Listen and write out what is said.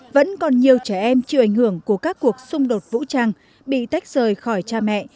vẫn còn nhiều trẻ em chịu ảnh hưởng của các cuộc xung đột vũ trang bị tách rời khỏi cha mẹ